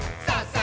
さあ！